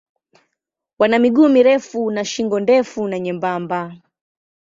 Wana miguu mirefu na shingo ndefu na nyembamba.